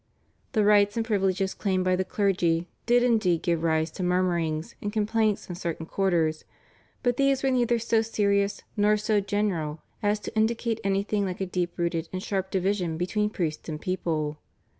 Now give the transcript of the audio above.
The rights and privileges claimed by the clergy did indeed give rise to murmurings and complaints in certain quarters, but these were neither so serious nor so general as to indicate anything like a deep rooted and sharp division between priests and people.